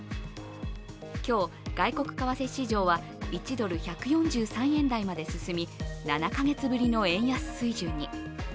今日、外国為替市場は１ドル＝１４３円台まで進み７か月ぶりの円安水準に。